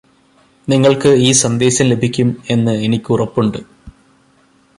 നിങ്ങൾക്ക് ഈ സന്ദേശം ലഭിക്കും എന്ന് എനിക്ക് ഉറപ്പുണ്ട്